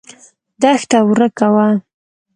دښته ورکه وه.